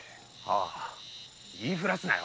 ああ言い触らすなよ。